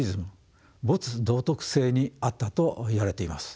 道徳性にあったといわれています。